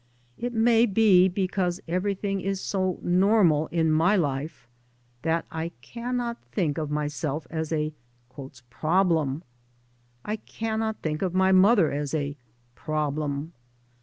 It may be because everirthing is so normal in my life that I cannot think of myself as a " problem "; I cannot think of my mother as a " problem."